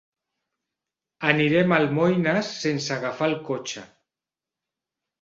Anirem a Almoines sense agafar el cotxe.